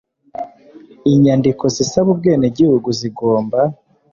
Inyandiko zisaba ubwenegihugu zigomba